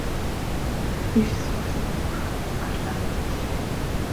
Эр суусрын зүрх Галаар буцалж байна.